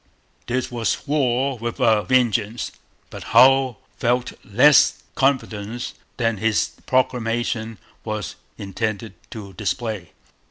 This was war with a vengeance. But Hull felt less confidence than his proclamation was intended to display.